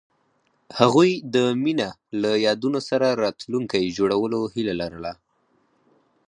هغوی د مینه له یادونو سره راتلونکی جوړولو هیله لرله.